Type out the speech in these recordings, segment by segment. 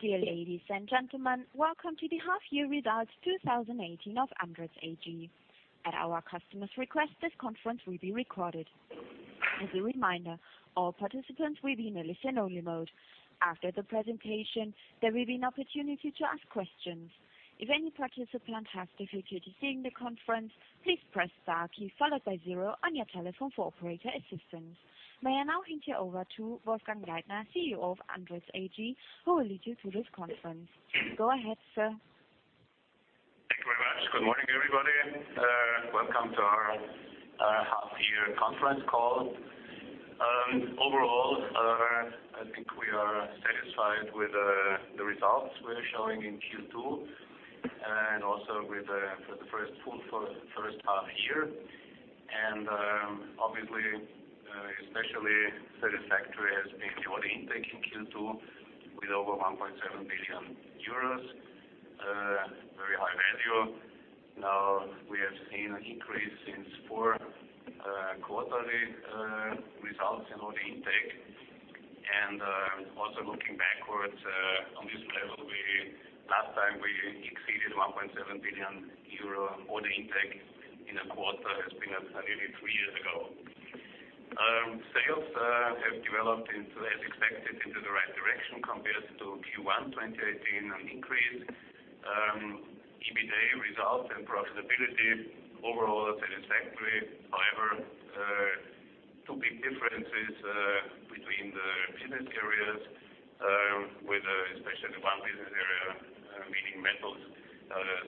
Dear ladies and gentlemen, welcome to the half-year results 2018 of Andritz AG. At our customers' request, this conference will be recorded. As a reminder, all participants will be in a listen-only mode. After the presentation, there will be an opportunity to ask questions. If any participant has difficulty hearing the conference, please press star key followed by zero on your telephone for operator assistance. May I now hand you over to Wolfgang Leitner, CEO of Andritz AG, who will lead you through this conference. Go ahead, sir. Thank you very much. Good morning, everybody. Welcome to our half-year conference call. Overall, I think we are satisfied with the results we're showing in Q2 and also with the first full first half year. Obviously, especially satisfactory has been the order intake in Q2 with over 1.7 billion euros, a very high value. Now, we have seen an increase in four quarterly results in order intake and also looking backwards, on this level, last time we exceeded 1.7 billion euro order intake in a quarter has been nearly three years ago. Sales have developed as expected into the right direction compared to Q1 2018, an increase. EBITA results and profitability overall are satisfactory. However, two big differences between the business areas, with especially the one business area, meaning metals,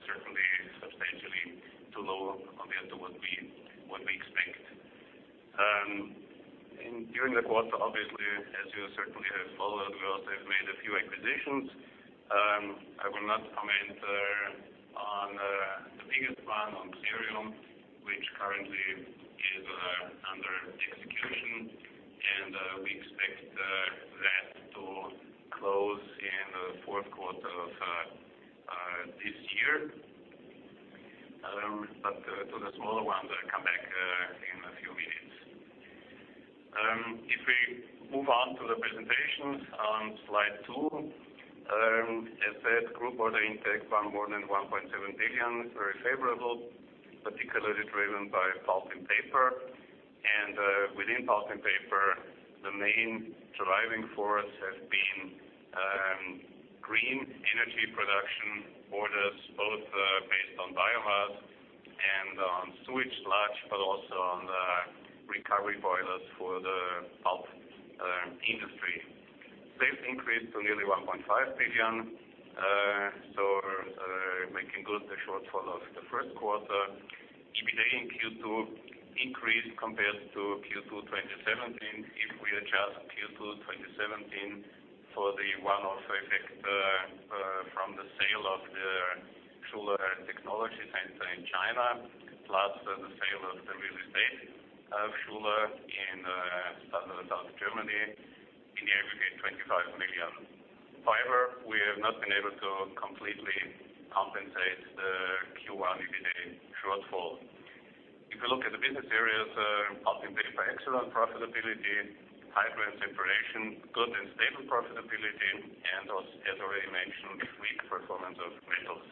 certainly substantially too low compared to what we expect. During the quarter, obviously, as you certainly have followed, we also have made a few acquisitions. I will not comment on the biggest one on Xerium, which currently is under execution, and we expect that to close in the fourth quarter of this year. To the smaller ones, I'll come back in a few minutes. If we move on to the presentations on slide two, as said, group order intake by more than 1.7 billion, is very favorable, particularly driven by pulp and paper. Within pulp and paper, the main driving force has been green energy production orders, both based on biomass and on sewage sludge, but also on the recovery boilers for the pulp industry. This increased to nearly 1.5 billion, so making good the shortfall of the first quarter. EBITA in Q2 increased compared to Q2 2017. If we adjust Q2 2017 for the one-off effect from the sale of the Schuler Technology Center in China, plus the sale of the real estate of Schuler in southern Germany, in the aggregate 25 million. However, we have not been able to completely compensate the Q1 EBITA shortfall. If you look at the business areas, pulp and paper, excellent profitability. Hydro and separation, good and stable profitability, and as already mentioned, weak performance of metals.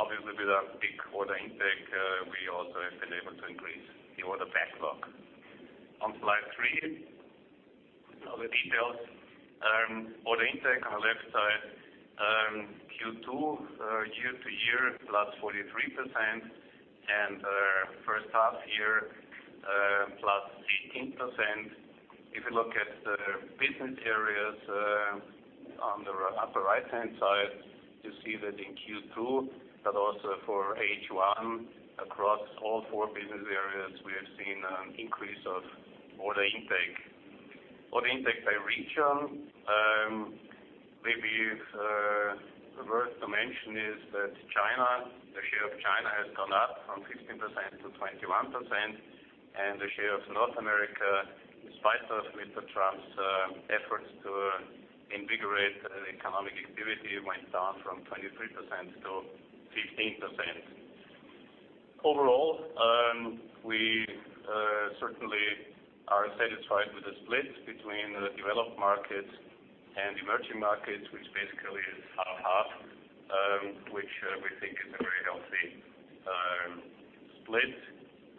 Obviously, with a big order intake, we also have been able to increase the order backlog. On slide three, other details. Order intake on the left side, Q2 year-over-year, plus 43%, First half year, plus 18%. If you look at the business areas on the upper right-hand side, you see that in Q2, but also for H1 across all four business areas, we have seen an increase of order intake. Order intake by region, maybe worth to mention is that China, the share of China has gone up from 15% to 21%, and the share of North America, despite Mr. Trump's efforts to invigorate economic activity, went down from 23% to 15%. Overall, we certainly are satisfied with the split between the developed markets and emerging markets, which basically is half-half, which we think is a very healthy split,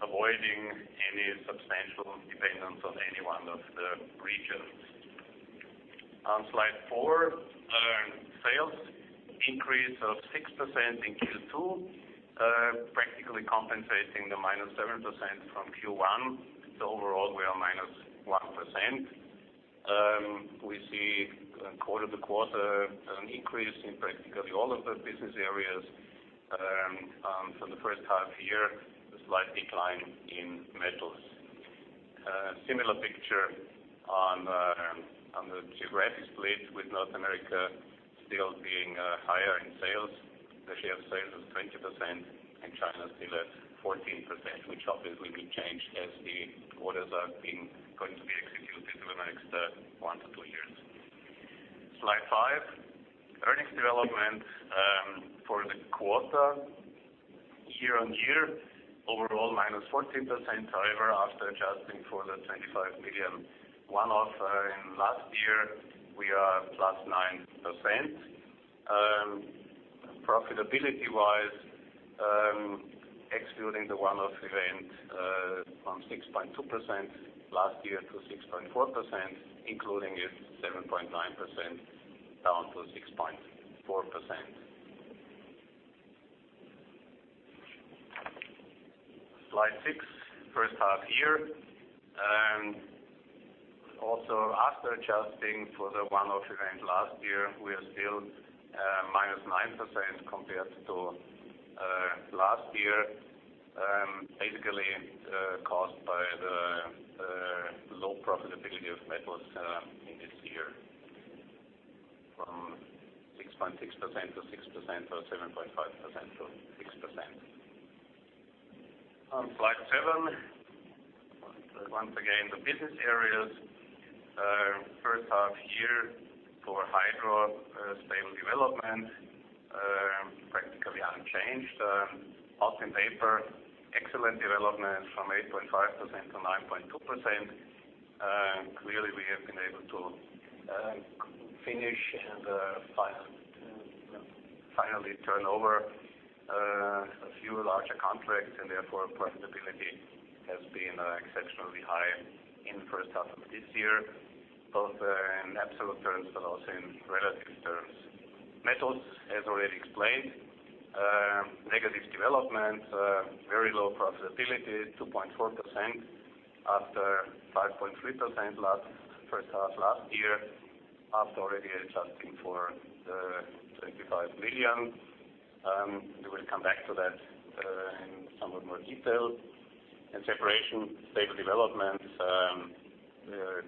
avoiding any substantial dependence on any one of the regions. On slide four, sales increase of 6% in Q2, practically compensating the -7% from Q1. Overall, we are -1%. We see quarter-over-quarter an increase in practically all of the business areas. For the first half year, a slight decline in Metals. A similar picture on the geographic split with North America still being higher in sales. The share of sales is 20% and China is still at 14%, which obviously will change as the orders are going to be executed over the next one to two years. Slide five Development for the quarter year-on-year overall -14%. However, after adjusting for the 25 million one-off in last year, we are at +9%. Profitability-wise, excluding the one-off event, from 6.2% last year to 6.4%, including it 7.9% down to 6.4%. Slide six. First half year. Also, after adjusting for the one-off event last year, we are still -9% compared to last year. Basically, caused by the low profitability of Metals in this year, from 6.6% to 6%, or 7.5% to 6%. On slide seven. Once again, the business areas. First half year for Hydro, stable development, practically unchanged. Pulp and Paper, excellent development from 8.5% to 9.2%. Clearly, we have been able to finish and finally turn over a few larger contracts and therefore profitability has been exceptionally high in the first half of this year, both in absolute terms but also in relative terms. Metals, as already explained, negative development, very low profitability, 2.4% after 5.3% first half last year, after already adjusting for the 25 million. We will come back to that in somewhat more detail. In Separation, stable developments.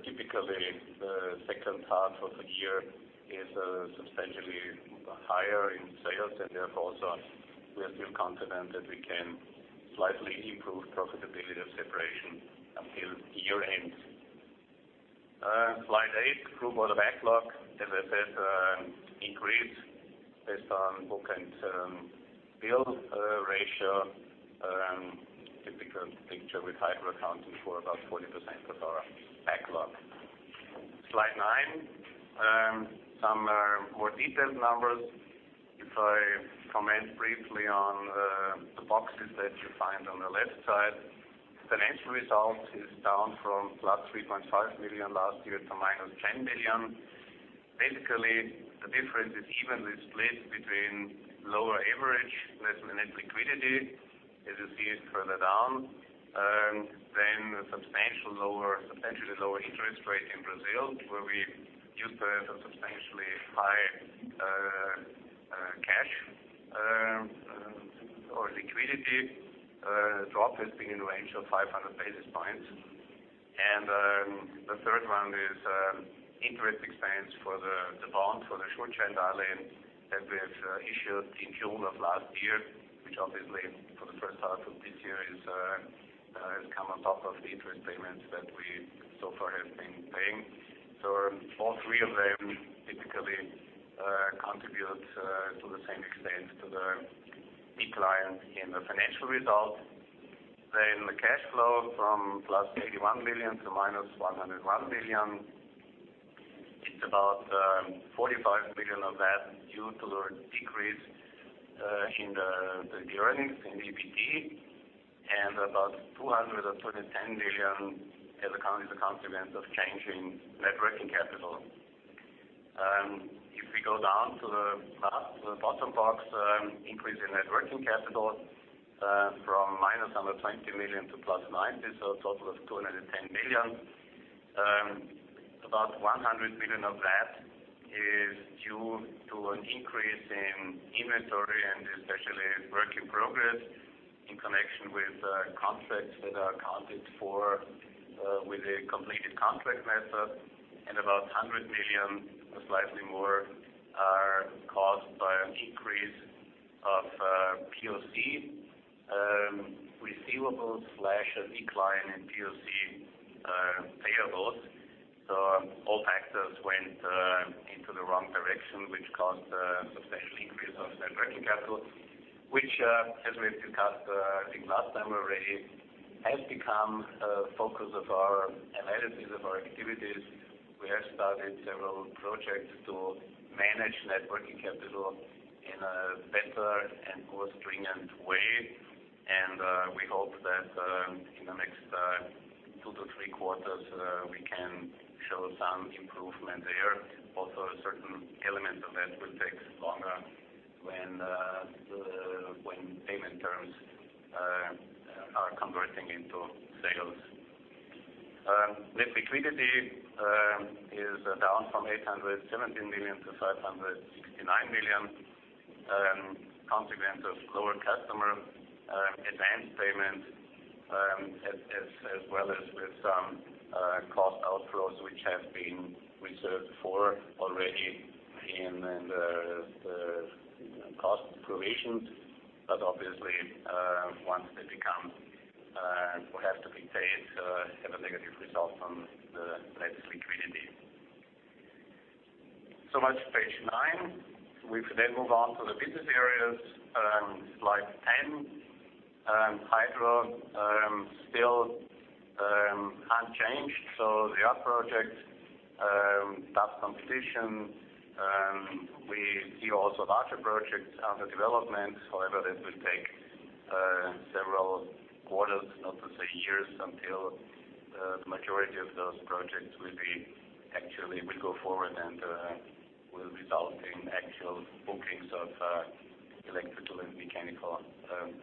Typically, the second half of the year is substantially higher in sales and therefore also we are still confident that we can slightly improve profitability of Separation until year-end. Slide eight. Group order backlog, as I said, increased based on book-to-bill ratio. Typical picture with Hydro accounting for about 40% of our backlog. Slide nine. Some more detailed numbers. If I comment briefly on the boxes that you find on the left side. Financial results is down from +3.5 million last year to -10 million. Basically, the difference is evenly split between lower average net liquidity, as you see it further down, then substantially lower interest rate in Brazil, where we used a substantially high cash or liquidity drop has been in the range of 500 basis points. The third one is interest expense for the bond for the consequence of changing net working capital. If we go down to the bottom box, increase in net working capital from -120 million to +90 million, so a total of 210 million. About 100 million of that is due to an increase in inventory and especially work in progress in connection with contracts that are accounted for with a completed contract method and about 100 million or slightly more are caused by an increase of POC receivables/a decline in POC payables. All factors went into the wrong direction, which caused a substantial increase of net working capital, which, as we have discussed, I think last time already, has become a focus of our analysis of our activities. We have started several projects to manage net working capital in a better and more stringent way, and we hope that in the next two to three quarters, we can show some improvement there. Also, certain elements of that will take longer when payment terms are converting into sales. Net liquidity is down from 817 million to 569 million. Consequence of lower customer advance payment, as well as with some cost outflows, which have been reserved for already in the cost provisions. It's often the net liquidity. Much for page nine. Move on to the business areas, slide 10. Hydro still unchanged. They are projects, tough competition. We see also larger projects under development. However, that will take several quarters, not to say years, until the majority of those projects will go forward and will result in actual bookings of electrical and mechanical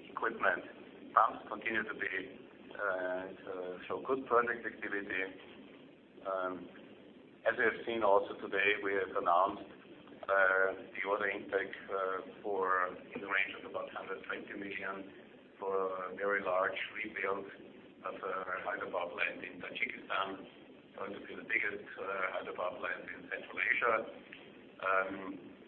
equipment. Pumps continue to show good project activity. As we have seen also today, we have announced the order intake in the range of about 120 million for a very large rebuild of a hydropower plant in Tajikistan. Going to be the biggest hydropower plant in Central Asia.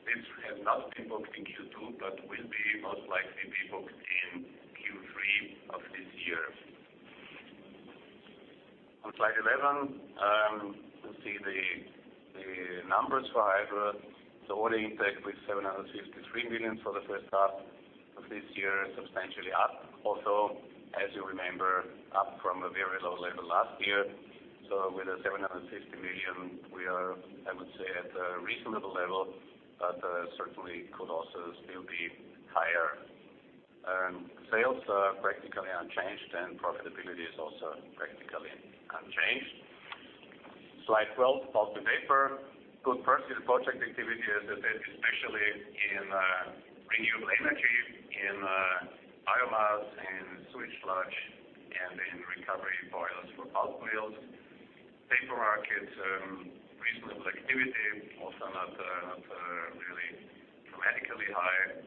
This has not been booked in Q2, but will most likely be booked in Q3 of this year. On slide 11, you see the numbers for Hydro. The order intake with 763 million for H1 of this year, substantially up. Also, as you remember, up from a very low level last year. With the 760 million, we are, I would say, at a reasonable level, but certainly could also still be higher. Sales are practically unchanged, and profitability is also practically unchanged. Slide 12, Pulp and Paper. Good project activity, as I said, especially in renewable energy, in biomass, in sewage sludge, and in recovery boilers for pulp mills. Paper markets, reasonable activity, also not really dramatically high.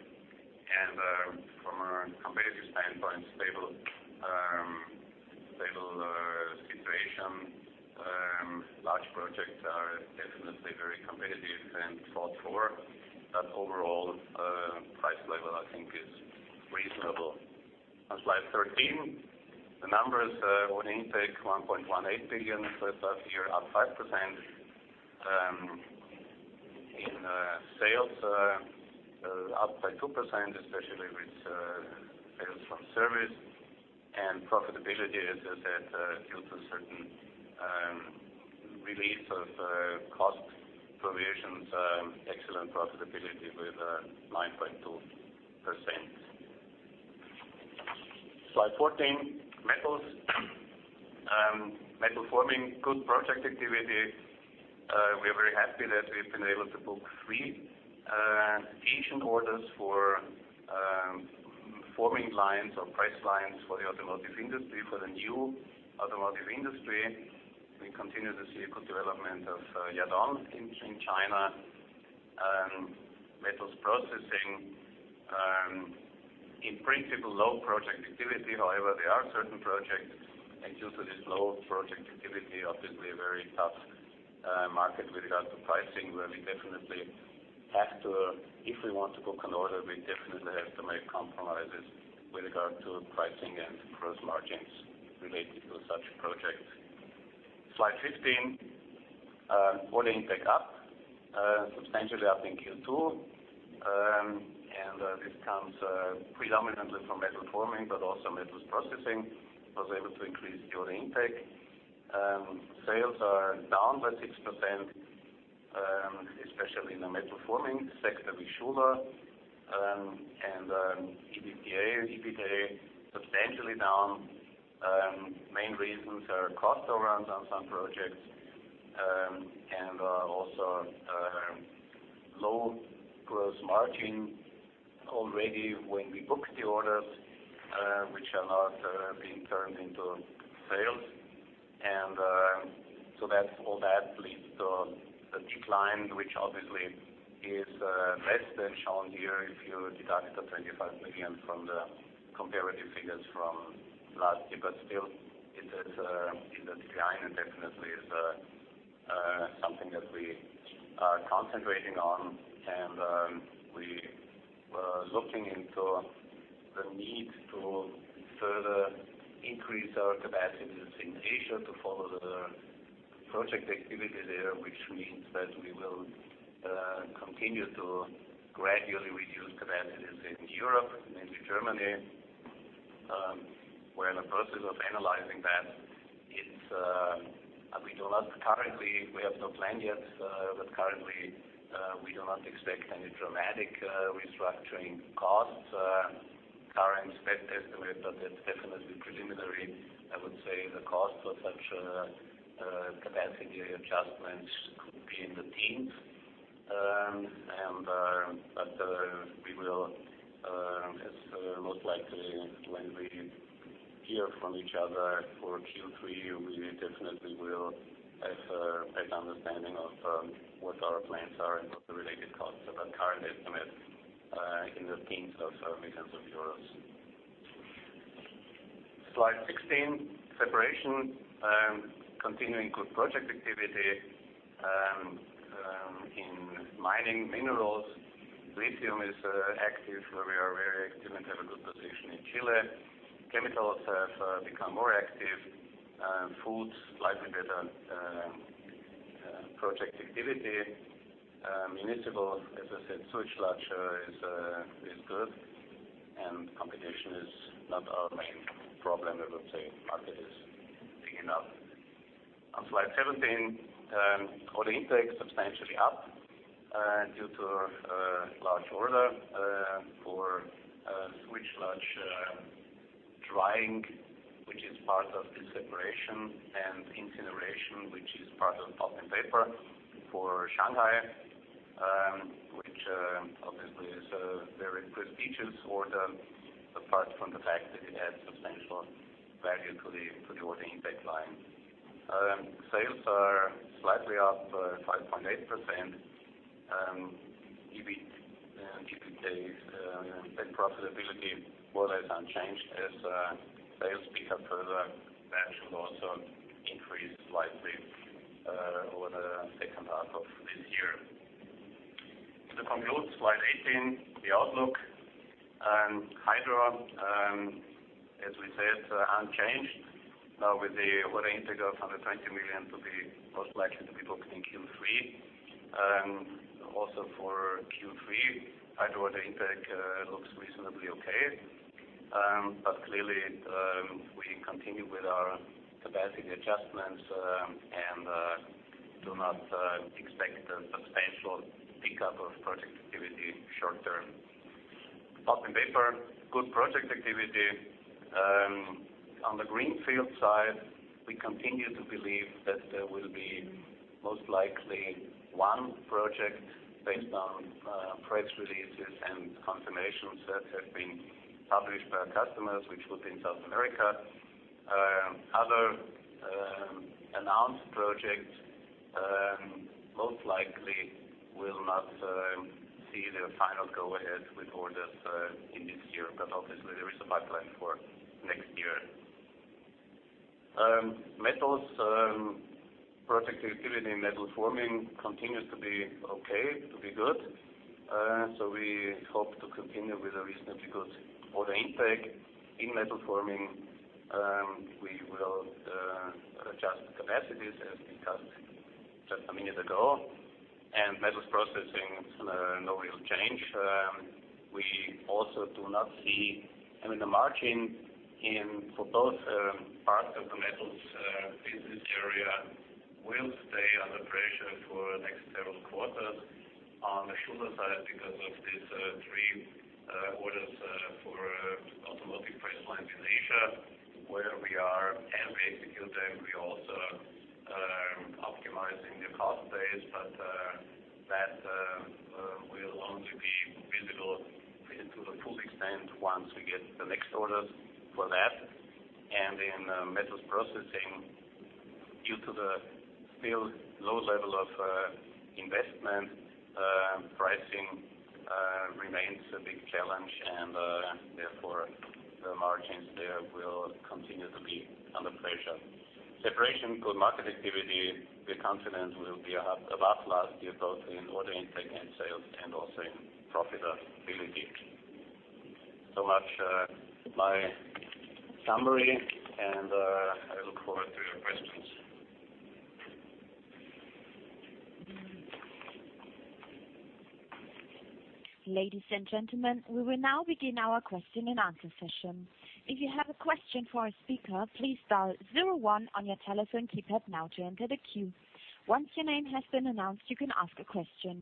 From a competitive standpoint, stable situation. Large projects are definitely very competitive and fought for. Overall, price level, I think, is reasonable. On slide 13, the numbers. Order intake, 1.18 billion H1, up 5%. Sales, up by 2%, especially with sales from service. Profitability, as I said, due to certain release of cost provisions, excellent profitability with 9.2%. Slide 14, Metals. Metal forming, good project activity. We are very happy that we've been able to book three Asian orders for forming lines or press lines for the automotive industry, for the new automotive industry. We continue to see a good development of Yadon in China. Metals processing, in principle, low project activity. However, there are certain projects, and due to this low project activity, obviously a very tough market with regard to pricing, where if we want to book an order, we definitely have to make compromises with regard to pricing and gross margins related to such projects. Slide 15, order intake up, substantially up in Q2. This comes predominantly from metal forming, but also metals processing was able to increase the order intake. Sales are down by 6%, especially in the metal forming sector with Schuler and EBITA substantially down. Main reasons are cost overruns on some projects and also low gross margin already when we booked the orders, which are now being turned into sales. All that leads to a decline, which obviously is less than shown here if you deduct the 25 million from the comparative figures from last year. Still, it is in the decline and definitely is something that we are concentrating on, and we were looking into the need to further increase our capacities in Asia to follow the project activity there, which means that we will continue to gradually reduce capacities in Europe, mainly Germany. We're in the process of analyzing that. Currently, we have no plan yet, but currently, we do not expect any dramatic restructuring costs. Current estimate, but that's definitely preliminary, I would say the cost of such a capacity adjustment could be in the tens. We will most likely when we hear from each other for Q3, we definitely will have a better understanding of what our plans are and what the related costs are. Current estimate in the tens of millions of euros. slide 16, Separation. Continuing good project activity. Mining minerals. Lithium is active, where we are very active and have a good position in Chile. Chemicals have become more active. Foods, slightly better project activity. Municipal, as I said, sewage sludge is good, and competition is not our main problem. I would say the market is big enough. On slide 17, order intake substantially up due to a large order for a sewage sludge drying, which is part of the separation and incineration, which is part of pulp and paper for Shanghai, which obviously is a very prestigious order, apart from the fact that it adds substantial value to the order intake line. Sales are slightly up 5.8%. EBITA and profitability more or less unchanged. As sales pick up further, that should also increase slightly over the second half of this year. To conclude, slide 18, the outlook. Hydro, as we said, unchanged. Now with the order intake of 120 million to be most likely to be booked in Q3. Also for Q3, Hydro order intake looks reasonably okay. Clearly, we continue with our capacity adjustments and do not expect a substantial pickup of project activity short-term. Pulp and paper, good project activity. On the greenfield side, we continue to believe that there will be most likely one project based on press releases and confirmations that have been published by our customers, which would be in South America. Other announced projects most likely will not see their final go-ahead with orders in this year, but obviously, there is a pipeline for next year. Metals. Project activity in metal forming continues to be okay, to be good. We hope to continue with a reasonably good order intake in metal forming. We will adjust capacities, as discussed just a minute ago. Metals processing, no real change. I mean, the margin for both parts of the metals business area will stay under pressure for the next several quarters. On the shorter side, because of these three orders for automotive press lines in Asia, where we are executing, we also are optimizing the cost base. That will only be visible to the full extent once we get the next orders for that. In metals processing, due to the still low level of investment, pricing remains a big challenge, and therefore the margins there will continue to be under pressure. Separation, good market activity. We are confident we will have a last year both in order intake and sales and also in profitability. Much for my summary, and I look forward to your questions. Ladies and gentlemen, we will now begin our question-and-answer session. If you have a question for a speaker, please dial 01 on your telephone keypad now to enter the queue. Once your name has been announced, you can ask a question.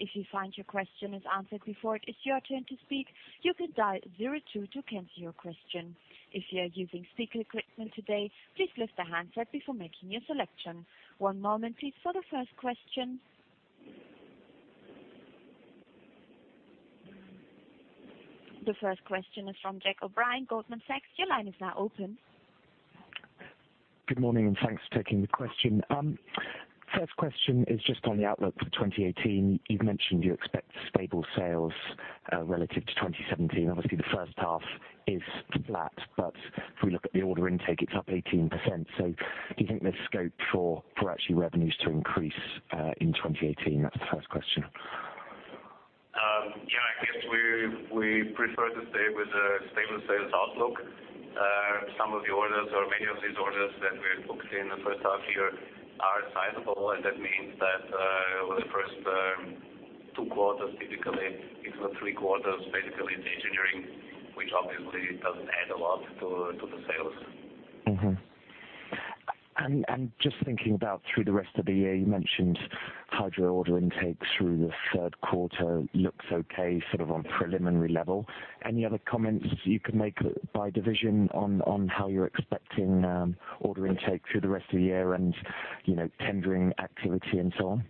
If you find your question is answered before it is your turn to speak, you can dial 02 to cancel your question. If you are using speaker equipment today, please lift the handset before making your selection. One moment, please, for the first question. The first question is from Jack O'Brien, Goldman Sachs. Your line is now open. Good morning, thanks for taking the question. First question is just on the outlook for 2018. You've mentioned you expect stable sales relative to 2017. Obviously, the first half is flat, but if we look at the order intake, it's up 18%. Do you think there's scope for actually revenues to increase in 2018? That's the first question. I guess we prefer to stay with a stable sales outlook. Some of the orders or many of these orders that we have booked in the first half year are sizable, and that means that over the first two quarters, typically it's the three quarters, basically it's engineering, which obviously doesn't add a lot to the sales. Mm-hmm. Just thinking about through the rest of the year, you mentioned Hydro order intake through the third quarter looks okay on a preliminary level. Any other comments you could make by division on how you're expecting order intake through the rest of the year and tendering activity and so on?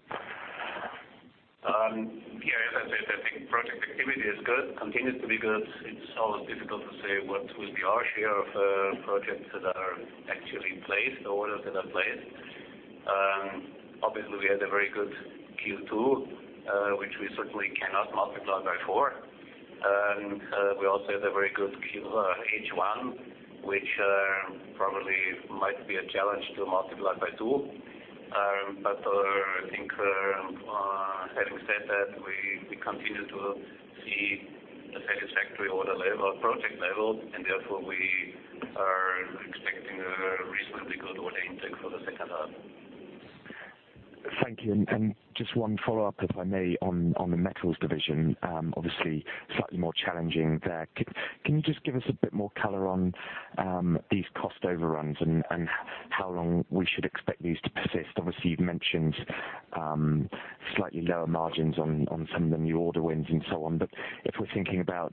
Yeah, as I said, I think project activity is good, continues to be good. It's always difficult to say what will be our share of projects that are actually placed, orders that are placed. Obviously, we had a very good Q2, which we certainly cannot multiply by 4. We also had a very good H1, which probably might be a challenge to multiply by 2. I think having said that, we continue to see a satisfactory order level, project level, and therefore we are expecting a reasonably good order intake for the second half. Thank you. Just 1 follow-up, if I may, on the Metals Division. Obviously, slightly more challenging there. Can you just give us a bit more color on these cost overruns and how long we should expect these to persist? Obviously, you've mentioned slightly lower margins on some of the new order wins and so on. If we're thinking about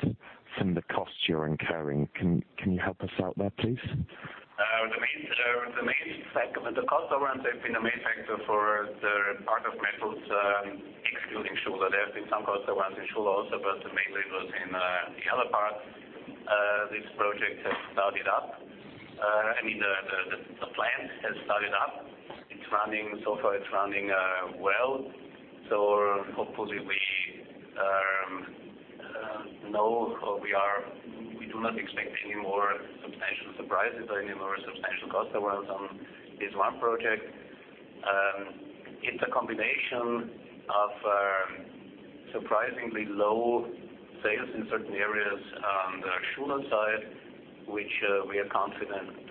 some of the costs you're incurring, can you help us out there, please? The cost overruns have been a main factor for the part of Metals, excluding Schuler. There have been some cost overruns in Schuler also, mainly it was in the other parts. This project has started up. I mean, the plant has started up. Far it's running well. Hopefully we do not expect any more substantial surprises or any more substantial cost overruns on this 1 project. It's a combination of surprisingly low sales in certain areas on the Schuler side, which we are confident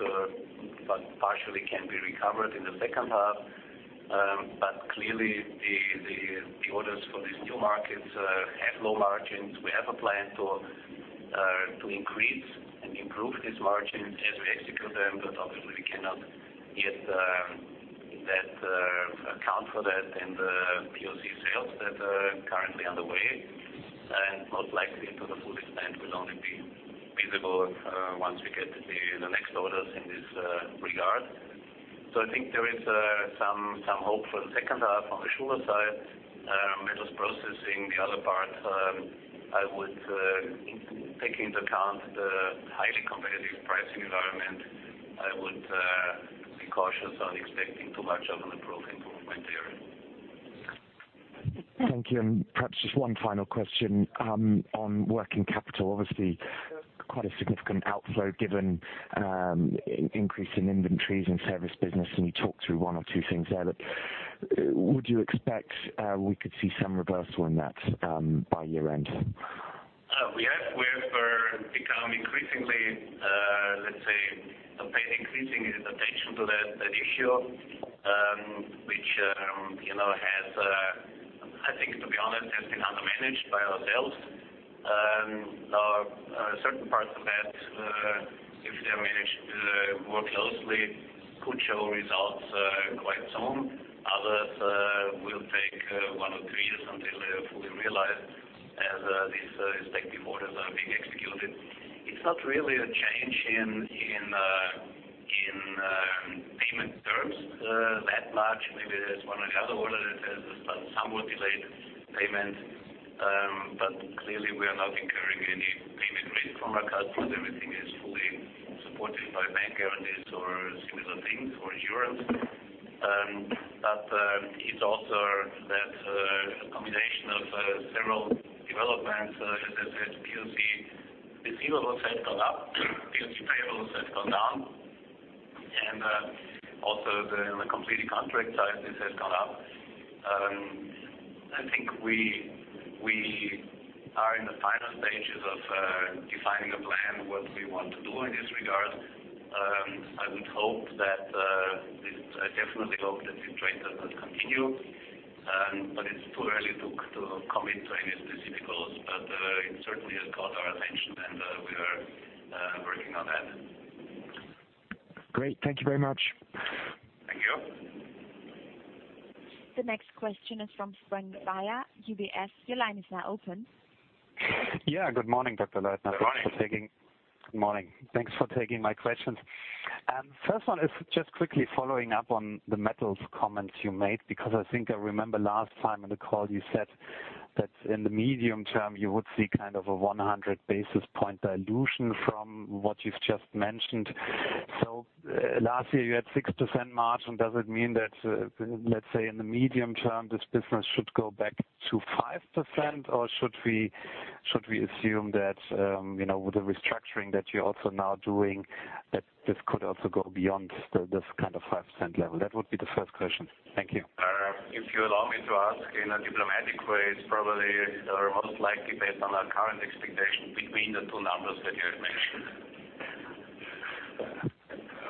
partially can be recovered in the second half. Clearly the orders for these new markets have low margins. We have a plan to increase and improve these margins as we execute them, but obviously we cannot yet account for that in the POC sales that are currently underway. Most likely to the full extent will only be visible once we get the next orders in this regard. So I think there is some hope for the second half on the Schuler side. Metals processing, the other part, taking into account the highly competitive pricing environment, I would be cautious on expecting too much of an improvement there. Thank you. Perhaps just one final question. On working capital, obviously quite a significant outflow given increase in inventories and service business, and you talked through one or two things there. But would you expect we could see some reversal in that by year-end? We have become increasingly, let's say, paying increasing attention to that issue, which I think, to be honest, has been under-managed by ourselves. Certain parts of that, if they're managed more closely, could show results quite soon. Others will take one or two years until they're fully realized as these existing orders are being executed. It's not really a change in payment terms that much. Maybe there's one or the other order that has a somewhat delayed payment. But clearly we are not incurring any payment risk from our customers. Everything is fully supported by bank guarantees or similar things, or insurance. But it's also that combination of several developments. As I said, POC receivables have gone up, POC payables have gone down, and also the completed contract sizes have gone up. I think we are in the final stages of defining a plan what we want to do in this regard. It definitely hope that this trend does not continue. It's too early to commit to any specific goals. It certainly has caught our attention, and we are working on that. Great. Thank you very much. Thank you. The next question is from Frank Beyer, UBS. Your line is now open. Yeah. Good morning, Dr. Leitner. Good morning. Good morning. Thanks for taking my questions. First one is just quickly following up on the metals comments you made because I think I remember last time on the call you said that in the medium term you would see a 100 basis point dilution from what you've just mentioned. Last year you had 6% margin. Does it mean that, let's say, in the medium term this business should go back to 5%? Or should we assume that with the restructuring that you're also now doing that this could also go beyond this kind of 5% level? That would be the first question. Thank you. If you allow me to ask in a diplomatic way, it's probably most likely based on our current expectation between the two numbers that you have mentioned.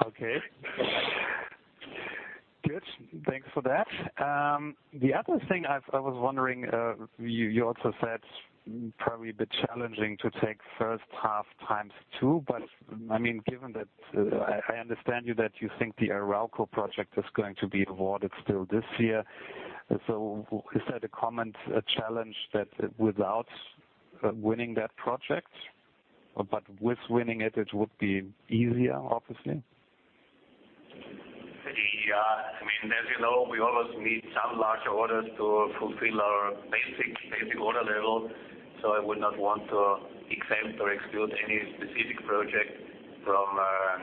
Okay. Good. Thanks for that. The other thing I was wondering, you also said probably a bit challenging to take first half times two, but given that I understand you that you think the Arauco project is going to be awarded still this year. Is that a common challenge that without winning that project, but with winning it would be easier, obviously? As you know, we always need some larger orders to fulfill our basic order level. I would not want to exempt or exclude any specific project from a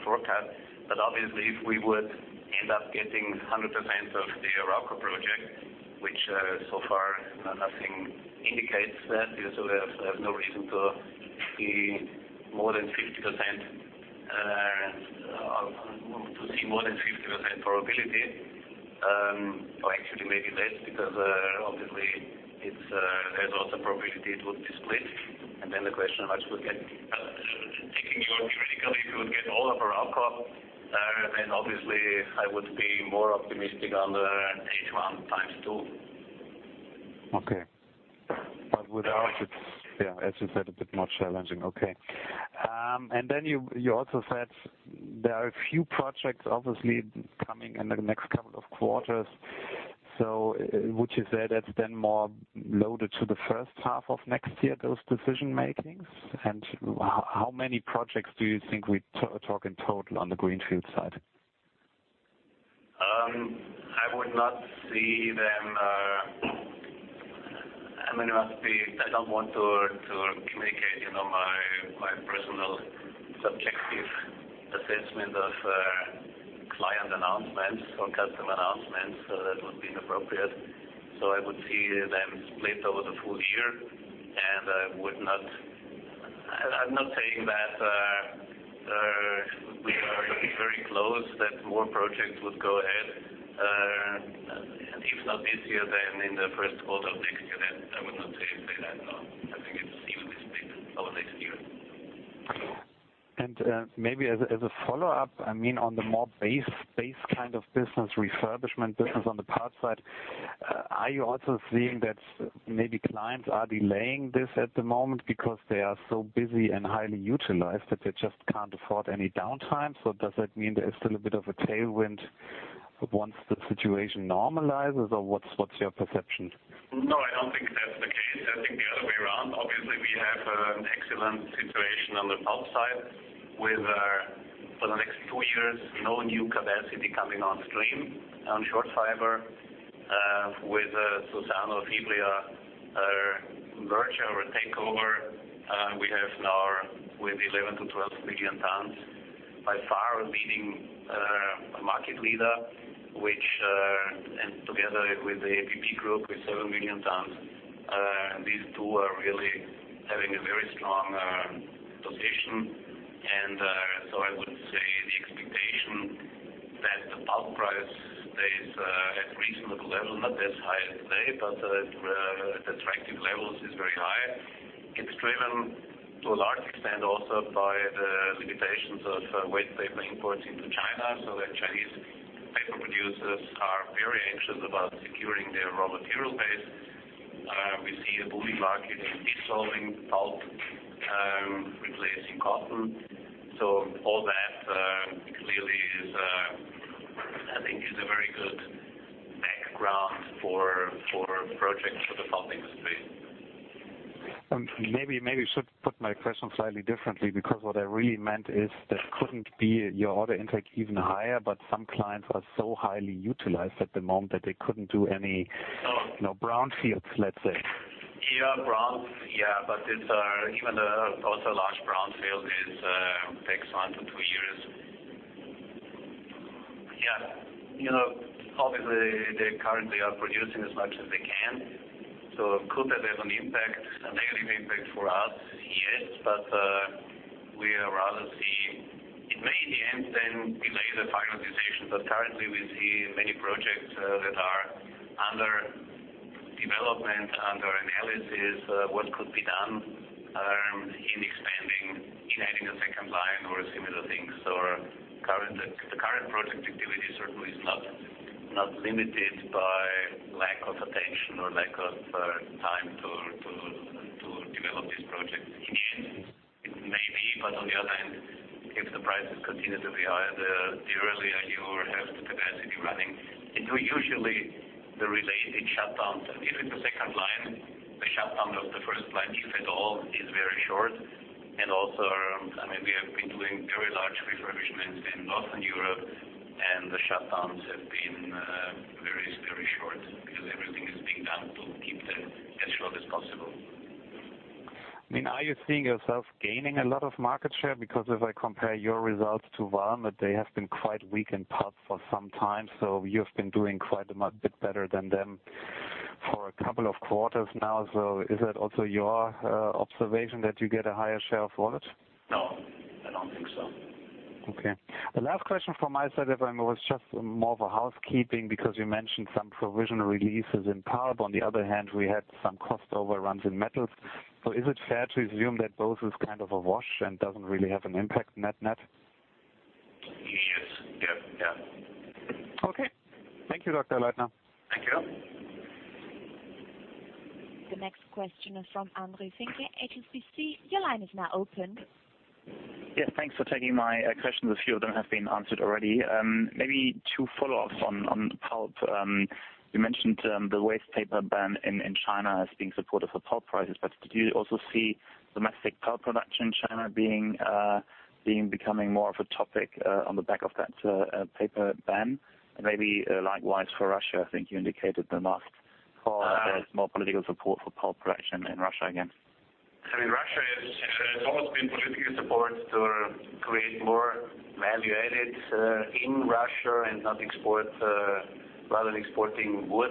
forecast. Obviously if we would end up getting 100% of the Arauco project, which so far nothing indicates that. We have no reason to see more than 50% probability. Or actually maybe less, because obviously, there's also probability it would be split. Taking your if you would get all of Arauco, then obviously I would be more optimistic on the H1 times two. Okay. Without it, yeah, as you said, a bit more challenging. Okay. You also said there are a few projects obviously coming in the next couple of quarters. Would you say that's then more loaded to the first half of next year, those decision makings? How many projects do you think we talk in total on the greenfield side? I don't want to communicate my personal subjective assessment of client announcements or customer announcements. That would be inappropriate. I would see them split over the full year, and I'm not saying that we are looking very close, that more projects would go ahead. If not this year, then in the first quarter of next year. That I would not say that. No. I think it's evenly split over next year. Maybe as a follow-up, on the more base kind of business, refurbishment business on the pulp side, are you also seeing that maybe clients are delaying this at the moment because they are so busy and highly utilized that they just can't afford any downtime? Does that mean there is still a bit of a tailwind once the situation normalizes, or what's your perception? No, I don't think that's the case. I think the other way around. Obviously, we have an excellent situation on the pulp side with for the next two years, no new capacity coming on stream on short fiber. With Suzano Fibria merger or takeover, we have now with 11 to 12 million tons, by far a leading market leader, and together with the APP group with 7 million tons. These two are really having a very strong position. I would say the expectation that the pulp price stays at reasonable level, not as high as today, but attractive levels is very high. It's driven to a large extent also by the limitations of waste paper imports into China, so that Chinese paper producers are very anxious about securing their raw material base. We see a booming market in dissolving pulp replacing cotton. All that clearly, I think, is a very good background for projects for the pulp industry. Maybe I should put my question slightly differently, because what I really meant is that couldn't be your order intake even higher? Some clients are so highly utilized at the moment that they couldn't do any brownfields, let's say. Even also large brownfield takes one to two years. Obviously, they currently are producing as much as they can. Could that have an impact, a negative impact for us? Yes. We rather see it may in the end then delay the finalization. Currently, we see many projects that are under development, under analysis, what could be done in expanding, adding a second line or similar things. The current project activity certainly is not limited by lack of attention or lack of time to develop these projects. In the end, it may be, on the other hand, if the prices continue to be high, the earlier you have the capacity running, usually the related shutdowns, if it's a second line, the shutdown of the first line, if at all, is very short. Also, we have been doing very large refurbishments in Northern Europe, and the shutdowns have been very short because everything is being done to keep them as short as possible. Are you seeing yourself gaining a lot of market share? If I compare your results to Valmet, they have been quite weak in pulp for some time, you've been doing quite a bit better than them for a couple of quarters now. Is that also your observation, that you get a higher share of wallet? No, I don't think so. Okay. The last question from my side, if I may, was just more of a housekeeping, you mentioned some provision releases in power. On the other hand, we had some cost overruns in metals. Is it fair to assume that both is kind of a wash and doesn't really have an impact net? Yes. Okay. Thank you, Dr. Leitner. Thank you. The next question is from Jörg-André Finke, HSBC. Your line is now open. Yes, thanks for taking my questions. A few of them have been answered already. Maybe two follow-ups on pulp. You mentioned the waste paper ban in China as being supportive for pulp prices, but did you also see domestic pulp production in China becoming more of a topic on the back of that paper ban? And maybe likewise for Russia, I think you indicated there is more political support for pulp production in Russia again. Russia has always been politically supportive to create more value added in Russia and not export. Rather than exporting wood,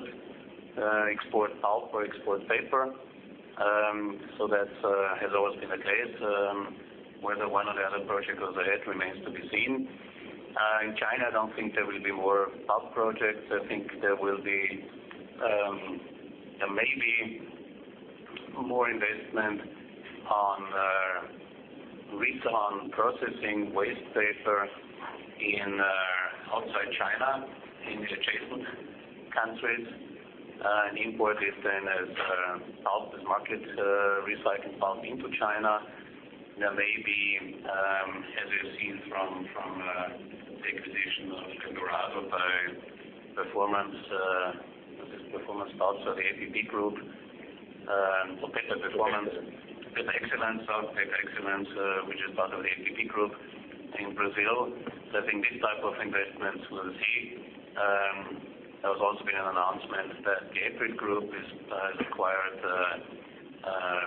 export pulp or export paper. That has always been the case. Whether one or the other project goes ahead remains to be seen. In China, I don't think there will be more pulp projects. I think there will be maybe more investment on reton processing waste paper outside China, in the adjacent countries, and import it then as pulp, as market recycling pulp into China. There may be, as you've seen from the acquisition of Arauco by Paper Excellence. Is this Performance Pulp or the Asia Pulp & Paper group? Or Paper Excellence. Paper Excellence. Paper Excellence, which is part of the Asia Pulp & Paper group in Brazil. I think these types of investments we'll see. There has also been an announcement that the APRIL Group has acquired a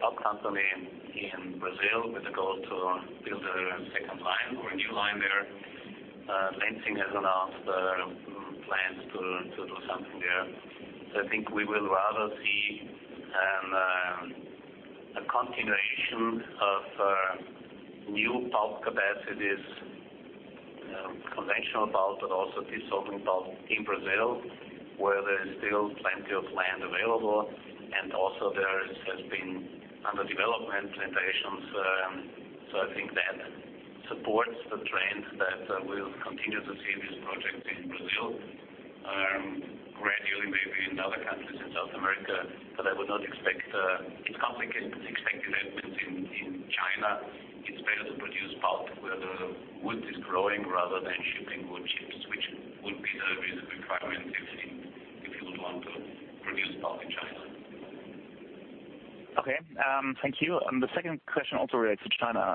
pulp company in Brazil with a goal to build a second line or a new line there. Lenzing has announced plans to do something there. I think we will rather see a continuation of new pulp capacities, conventional pulp, but also dissolving pulp in Brazil, where there is still plenty of land available and also there has been under development plantations. I think that supports the trend that we'll continue to see these projects in Brazil. Gradually, maybe in other countries in South America, but it's complicated to expect developments in China. It's better to produce pulp where the wood is growing rather than shipping wood chips, which would be the reasonable requirement if you would want to produce pulp in China. Okay. Thank you. The second question also relates to China.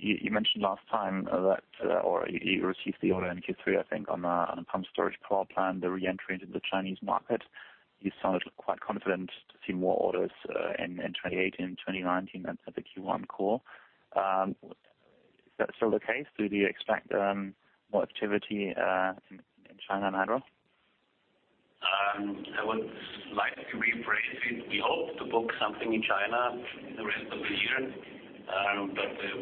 You mentioned last time that, or you received the order in Q3, I think, on a pump storage power plant, the re-entry into the Chinese market. You sounded quite confident to see more orders in 2018-2019 than at the Q1 call. Is that still the case? Do you expect more activity in China, Wolfgang Leitner? I would like to rephrase it. We hope to book something in China in the rest of the year,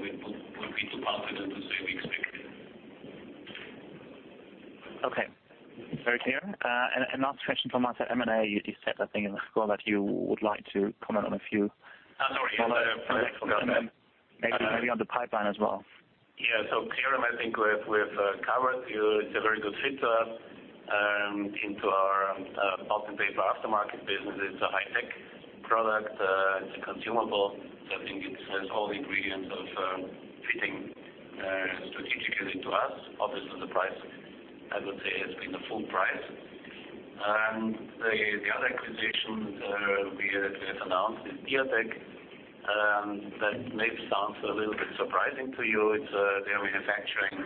we would be too positive to say we expect it. Last question from us at M&A, you said, I think in the call that you would like to comment on a few- Sorry. Maybe on the pipeline as well. Xerium, I think we have covered. It's a very good fit into our Pulp and Paper Aftermarket business. It's a high-tech product. It's a consumable. I think it has all the ingredients of fitting strategically into us. Obviously, the price, I would say, has been a full price. The other acquisition we have announced is Diatec. That maybe sounds a little bit surprising to you. They're manufacturing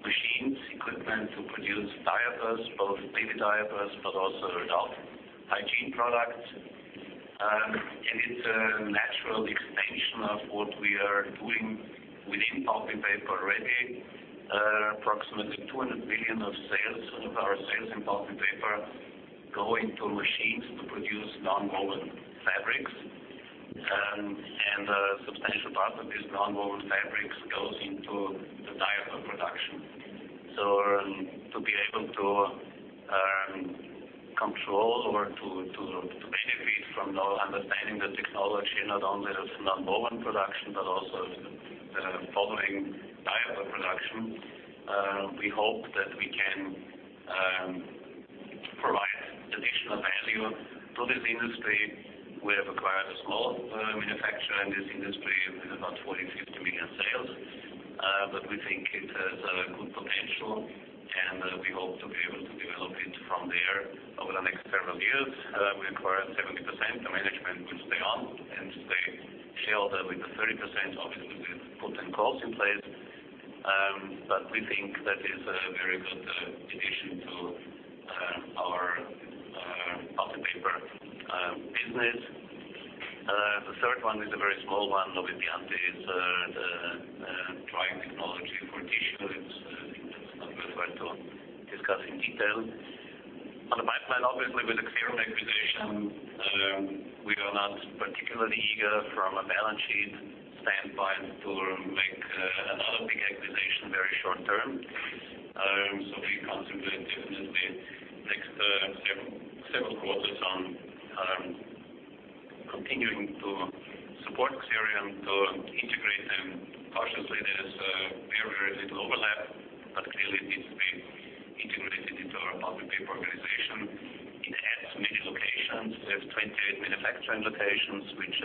machines, equipment to produce diapers, both baby diapers, but also adult hygiene products. It's a natural extension of what we are doing within Pulp and Paper already. Approximately 200 million of our sales in Pulp and Paper go into machines to produce nonwoven fabrics, and a substantial part of these nonwoven fabrics goes into the diaper production. To be able to control or to benefit from now understanding the technology, not only of nonwoven production, but also the following diaper production, we hope that we can provide additional value to this industry. We have acquired a small manufacturer in this industry with about 40 million-50 million sales. We think it has a good potential, and we hope to be able to develop it from there over the next several years. We acquired 70%. The management will stay on, and they share the other with the 30%. Obviously, we put some calls in place. We think that is a very good addition to our Pulp and Paper business. The third one is a very small one. Novimpianti is a drying technology for tissue. I think that's not worthwhile to discuss in detail. On the pipeline, obviously, with the Xerium acquisition, we are not particularly eager from a balance sheet standpoint to make another big acquisition very short term. We concentrate definitely next several quarters on continuing to support Xerium, to integrate them cautiously. There is very little overlap, but clearly it needs to be integrated into our Pulp and Paper organization. It adds many locations. We have 28 manufacturing locations which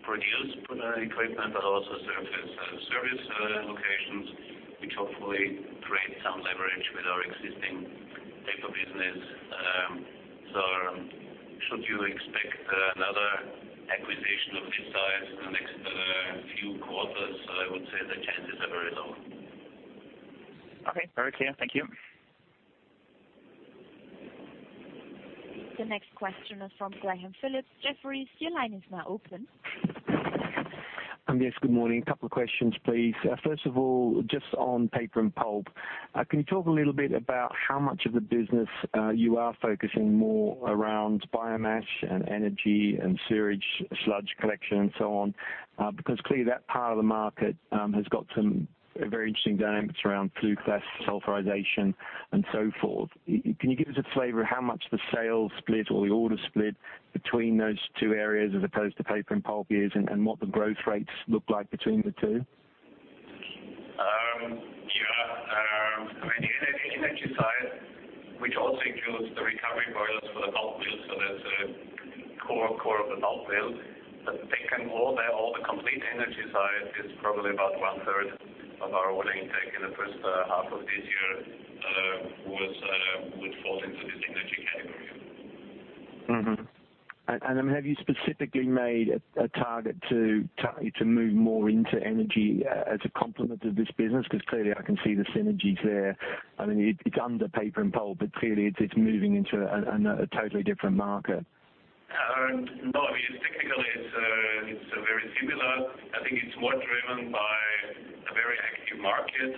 produce equipment, but also serve as service locations, which hopefully create some leverage with our existing paper business. Should you expect another acquisition? The chances are very low. Very clear. Thank you. The next question is from Graham Phillips, Jefferies. Your line is now open. Yes, good morning. A couple of questions, please. First of all, just on paper and pulp. Can you talk a little bit about how much of the business you are focusing more around biomass and energy and sewage sludge collection and so on? Clearly that part of the market has got some very interesting dynamics around flue gas, desulfurization, and so forth. Can you give us a flavor of how much the sales split or the order split between those two areas as opposed to paper and pulp is and what the growth rates look like between the two? Yeah. The energy side, which also includes the recovery boilers for the pulp mills, so that's a core of the pulp mills. The complete energy side is probably about one-third of our ordering intake in the first half of this year would fall into this energy category. Mm-hmm. Have you specifically made a target to move more into energy as a complement to this business? Clearly I can see the synergies there. It's under paper and pulp, but clearly it's moving into a totally different market. No, technically it's very similar. I think it's more driven by a very active market.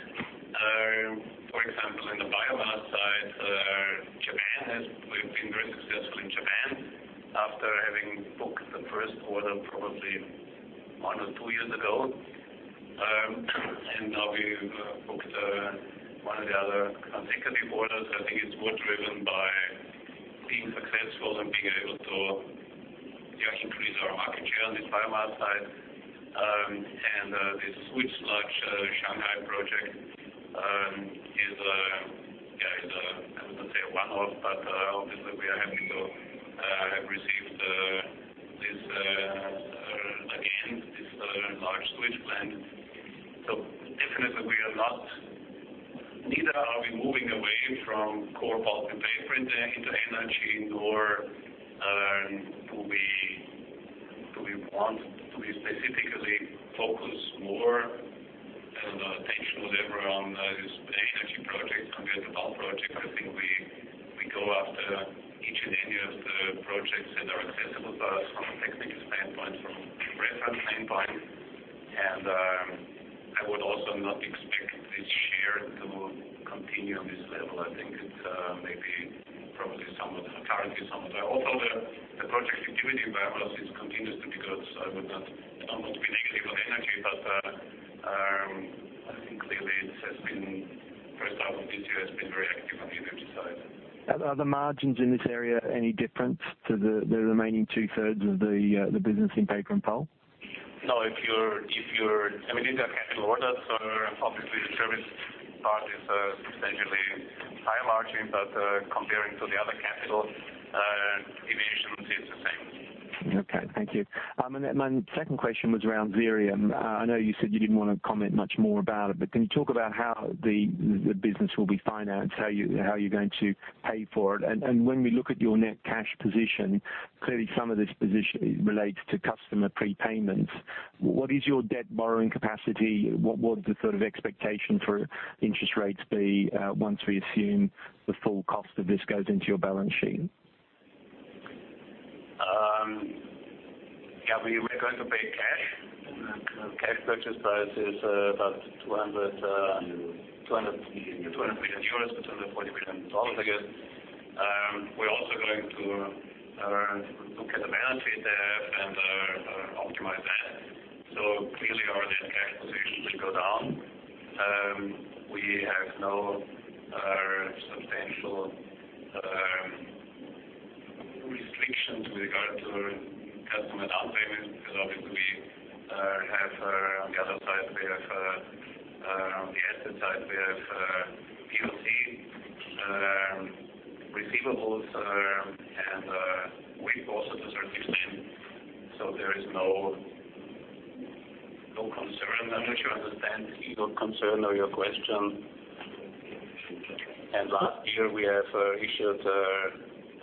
For example, in the biomass side, we've been very successful in Japan after having booked the first order probably one or two years ago. Now we've booked one of the other consecutive orders. I think it's more driven by being successful and being able to increase our market share on this biomass side. This sewage sludge Shanghai project is, I wouldn't say a one-off, but obviously we are happy to have received this again, this large sewage sludge plant. Definitely neither are we moving away from core pulp and paper into energy, nor do we specifically focus more attention or whatever on these energy projects and get the pulp project. I think we go after each and any of the projects that are accessible to us from a technical standpoint, from a reference standpoint. I would also not expect this year to continue on this level. I think it may be probably somewhat currently, although the project activity in biomass is continuously good, so I would not want to be negative on energy, but I think clearly this first half of this year has been very active on the energy side. Are the margins in this area any different to the remaining two-thirds of the business in paper and pulp? No. These are capital orders, so obviously the service part is substantially higher margin. Comparing to the other capital divisions, it's the same. Okay, thank you. My second question was around Xerium. I know you said you didn't want to comment much more about it, can you talk about how the business will be financed, how you're going to pay for it? When we look at your net cash position, clearly some of this position relates to customer prepayments. What is your debt borrowing capacity? What would the expectation for interest rates be once we assume the full cost of this goes into your balance sheet? Yeah, we're going to pay cash. The cash purchase size is about EUR 200 million, $240 million I guess. We're also going to look at the balance sheet there and optimize that. Clearly our net cash position will go down. We have no substantial restrictions with regard to customer down payments because, obviously on the asset side, we have POC receivables and wait also to certain extent. There is no concern. I understand your concern or your question. Last year we have issued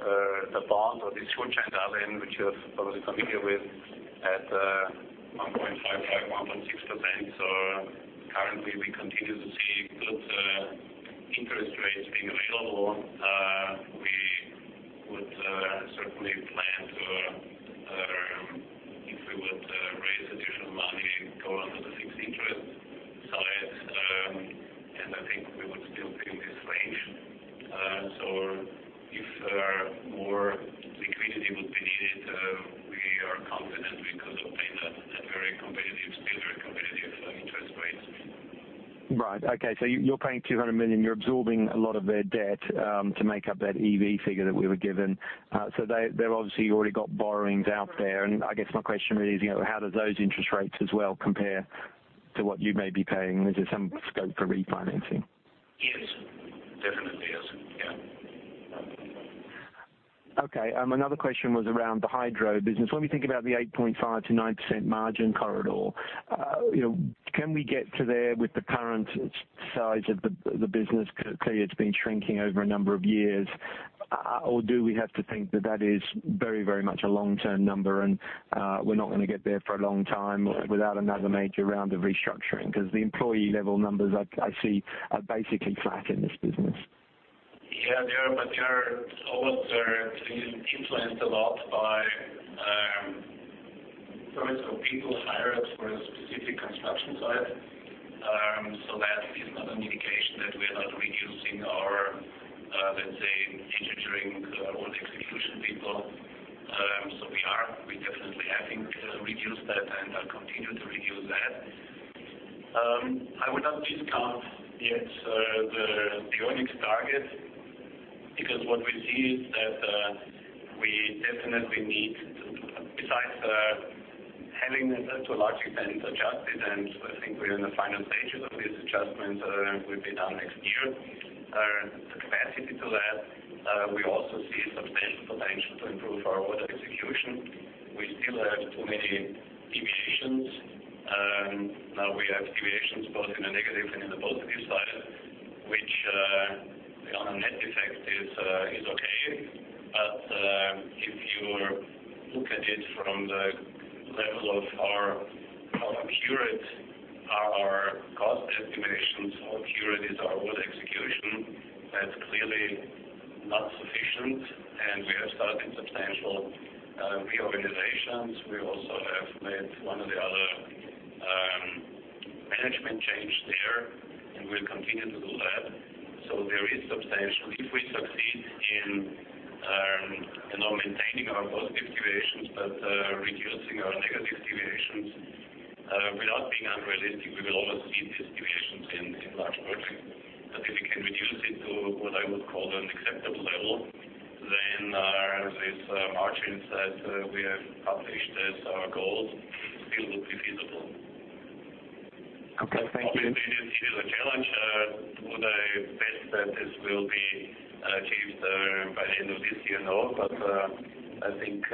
the bond or the Schuldenanleihen, which you are probably familiar with, at 1.55%, 1.6%. Currently we continue to see good interest rates being available. We would certainly plan to, if we would raise additional money, go onto the fixed interest side. I think we would still be in this range. If more liquidity would be needed, we are confident we could obtain a very competitive speed, very competitive interest rates. Right. Okay. You're paying 200 million. You're absorbing a lot of their debt to make up that EV figure that we were given. They've obviously already got borrowings out there. I guess my question really is, how does those interest rates as well compare to what you may be paying? Is there some scope for refinancing? Yes, definitely yes. Yeah. Okay. Another question was around the hydro business. When we think about the 8.5%-9% margin corridor, can we get to there with the current size of the business? Clearly, it's been shrinking over a number of years. Do we have to think that is very much a long-term number, and we're not going to get there for a long time without another major round of restructuring? The employee-level numbers I see are basically flat in this business. Yeah. They are almost influenced a lot by first of people hired for a specific construction site. That is not an indication that we are not reducing our, let's say, engineering or execution people. We definitely have reduced that and are continuing to reduce that. I would not discount yet the Bionics target because what we see is that we definitely need, besides having to a large extent adjusted, and I think we're in the final stages of these adjustments will be done next year, the capacity to that. We also see substantial potential to improve our order execution. We still have too many deviations. We have deviations both in the negative and in the positive side, which on a net effect is okay. If you look at it from the level of how accurate are our cost estimations, how accurate is our order execution, that's clearly not sufficient, and we have started substantial reorganizations. We also have made one or the other management change there, and we'll continue to do that. If we succeed in not only maintaining our positive deviations but reducing our negative deviations, without being unrealistic, we will always see these deviations in large projects. If we can reduce it to what I would call an acceptable level, then these margins that we have published as our goals still would be feasible. Okay. Thank you. Obviously, this is a challenge. Would I bet that this will be achieved by the end of this year? No. I think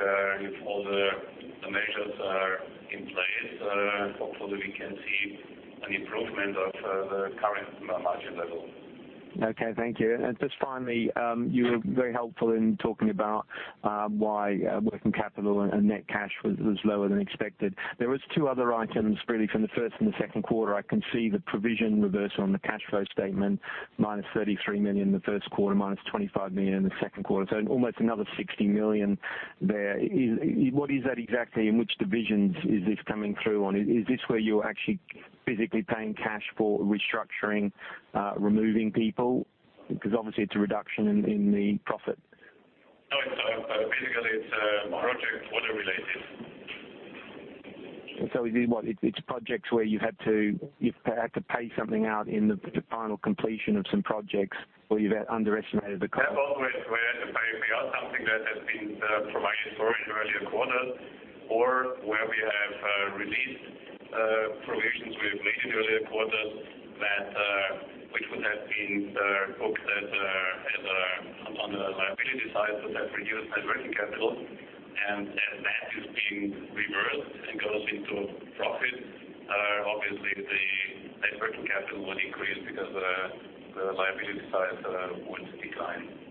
if all the measures are in place, hopefully we can see an improvement of the current margin level. Okay, thank you. Just finally, you were very helpful in talking about why working capital and net cash was lower than expected. There was two other items really from the first and the second quarter. I can see the provision reversal on the cash flow statement, minus 33 million in the first quarter, minus 25 million in the second quarter. Almost another 60 million there. What is that exactly, and which divisions is this coming through on? Is this where you're actually physically paying cash for restructuring, removing people? Because obviously it's a reduction in the profit. No. Basically, it's project order related. It's projects where you've had to pay something out in the final completion of some projects or you've underestimated the cost? That was where we are something that has been provided for in earlier quarters or where we have released provisions we have made in earlier quarters, which would have been booked as on the liability side, so that reduced net working capital. As that is being reversed and goes into profit, obviously the net working capital would increase because the liability side would decline.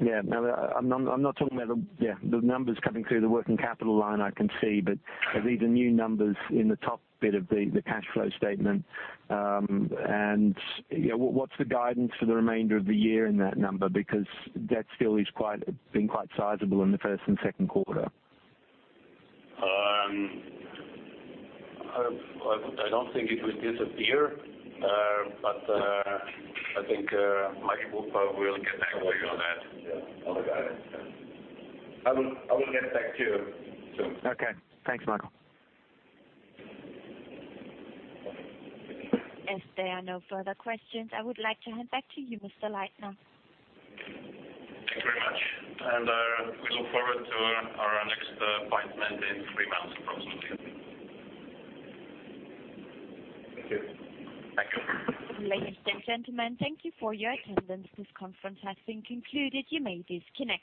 Yeah. No, I'm not talking about the numbers coming through the working capital line I can see. These are new numbers in the top bit of the cash flow statement. What's the guidance for the remainder of the year in that number? Because that still has been quite sizable in the first and second quarter. I don't think it will disappear. I think Mari Vuolteenaho will get back to you on that, on the guidance. I will get back to you soon. Okay. Thanks, Leitner. If there are no further questions, I would like to hand back to you, Mr. Leitner. Thank you very much. We look forward to our next appointment in three months approximately. Thank you. Thank you. Ladies and gentlemen, thank you for your attendance. This conference has been concluded. You may disconnect.